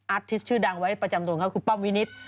อาร์ติสต์ชื่อดังไว้ประจำโดนเขาคือป้อมวินิศ